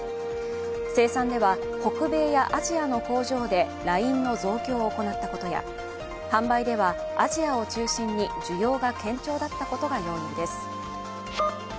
生産では北米やアジアの工場でラインの増強を行ったことや販売ではアジアを中心に需要が堅調だったことが要因です。